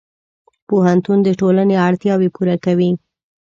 پوهنتون د ټولنې اړتیاوې پوره کوي.